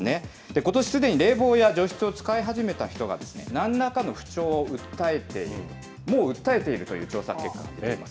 ことしすでに冷房や除湿を使い始めた人が、なんらかの不調を訴えている、もう訴えているという調査結果が出ています。